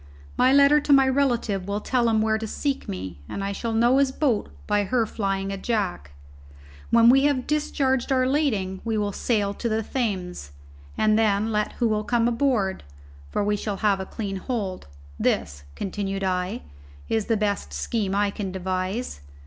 My letter to my relative will tell him where to seek me, and I shall know his boat by her flying a jack. When we have discharged our lading we will sail to the Thames, and then let who will come aboard, for we shall have a clean hold. This," continued I, "is the best scheme I can devise.